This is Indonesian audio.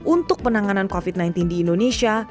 untuk penanganan covid sembilan belas di indonesia